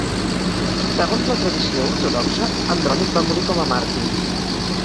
Segons la tradició ortodoxa, Andrònic va morir com a màrtir.